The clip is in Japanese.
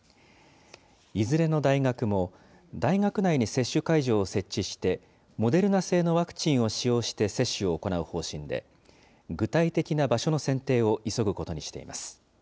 いずれの大学も大学内に接種会場を設置して、モデルナ製のワクチンを使用して接種を行う方針で、具体的な場所の選定を急ぐことにしています。